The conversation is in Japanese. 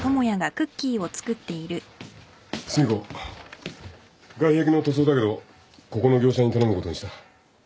寿美子外壁の塗装だけどここの業者に頼むことにした。